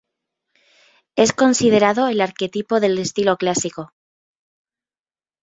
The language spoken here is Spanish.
Es considerado el arquetipo del estilo clásico.